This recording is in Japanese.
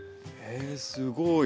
えすごい。